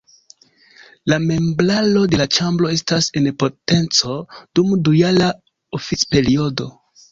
La membraro de la ĉambro estas en potenco dum dujara oficperiodo.